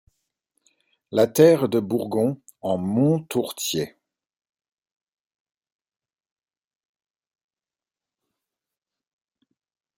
La terre de Bourgon, en Montourtier.